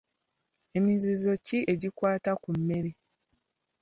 Emizizo ki egikwata ku mmere?